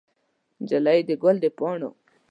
نجلۍ د ګل د پاڼو